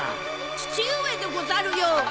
父上でござるよ！